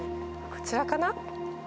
こちらかな？